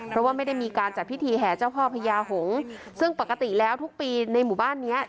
เพราะว่าไม่ได้มีการจัดพิธีแห่เจ้าพ่อพญาหงษ์ซึ่งปกติแล้วทุกปีในหมู่บ้านเนี้ย